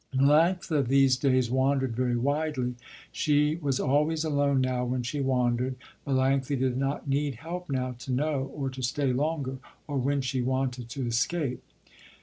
Melanctha these days wandered very widely. She was always alone now when she wandered. Melanctha did not need help now to know, or to stay longer, or when she wanted, to escape.